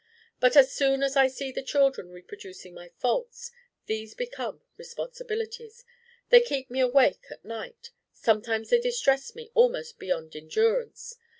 But as soon as I see the children reproducing my faults, these become responsibilities. They keep me awake at night; sometimes they distress me almost beyond endurance.